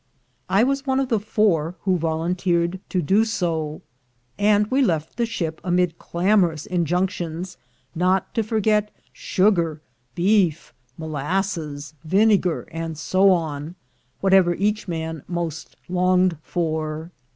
I was one of four who volunteered to do so, and we left the ship amid clamorous in junctions not to forget sugar, beef, molasses, vinegar, and so on — ^whatever each man most longed for.